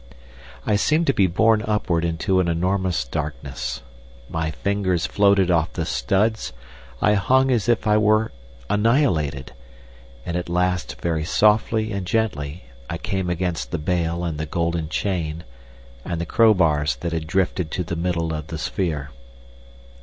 I seemed to be borne upward into an enormous darkness. My fingers floated off the studs, I hung as if I were annihilated, and at last very softly and gently I came against the bale and the golden chain, and the crowbars that had drifted to the middle of the sphere.